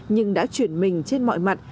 nhưng đã chuyển mình trên mọi mặt